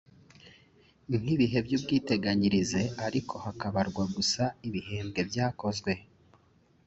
nk ibihe by’ ubwiteganyirize ariko hakabarwa gusa ibihembwe byakozwe